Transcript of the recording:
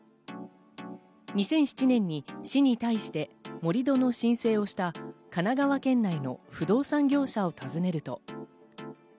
２００７年に市に対して盛り土の申請をした神奈川県内の不動産業者を訪ねると。